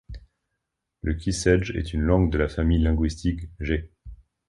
Le Kisêdjê est une langue de la famille linguistique jê.